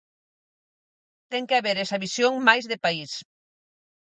Ten que haber esa visión máis de país.